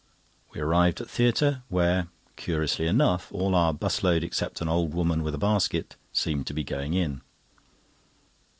We arrived at theatre, where, curiously enough, all our 'bus load except an old woman with a basket seemed to be going in.